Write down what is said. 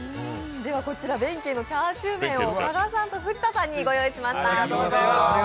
こちら弁慶のチャーシューめんを加賀さんと藤田さんにご用意しました。